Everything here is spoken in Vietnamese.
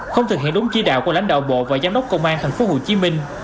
không thực hiện đúng chỉ đạo của lãnh đạo bộ và giám đốc công an tp hcm